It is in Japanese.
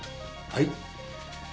はい？